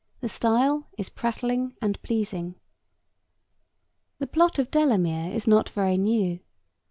The style is prattling and pleasing. The plot of Delamere is not very new.